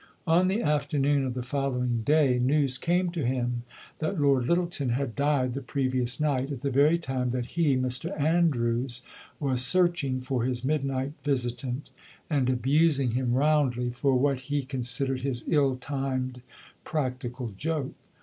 On the afternoon of the following day news came to him that Lord Lyttelton had died the previous night at the very time that he (Mr Andrews) was searching for his midnight visitant, and abusing him roundly for what he considered his ill timed practical joke.